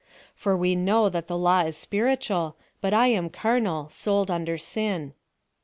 For we know that the law is spiritual, but 1 am camal, sold under sin."